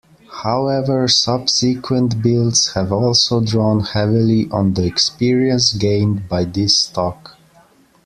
However, subsequent builds have also drawn heavily on the experience gained by this stock.